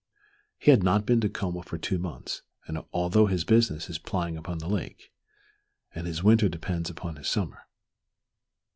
He had not been to Como for two months, although his business is plying upon the lake, and his winter depends upon his summer.